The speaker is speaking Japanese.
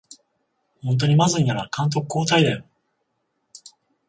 ほんとにまずいなら監督交代だよ